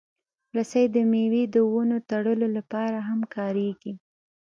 رسۍ د مېوې د ونو تړلو لپاره هم کارېږي.